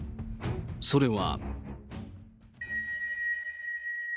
それは。